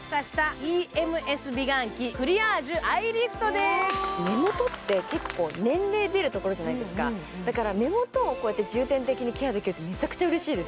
おお、すごいすごい目元って結構年齢出るところじゃないですかだから目元をこうやって重点的にケアできるって、めちゃくちゃうれしいです。